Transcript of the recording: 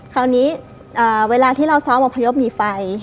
คราวนี้เวลาที่เราซ้อมอพยพหนีไฟ